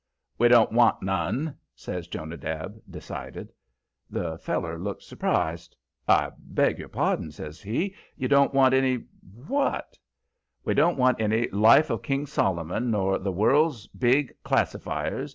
"We don't want none," says Jonadab, decided. The feller looked surprised. "I beg your pardon," says he. "You don't want any what?" "We don't want any 'Life of King Solomon' nor 'The World's Big Classifyers.'